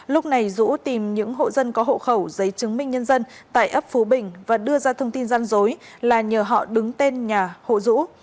lúc này dũ tìm những hộ dân có hộ khẩu giấy chứng minh nhân dân tại ấp phú bình và đưa ra thông tin gian dối là nhờ họ đứng tên nhà hộ dũ